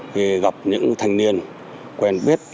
khi gặp những thanh niên quen biết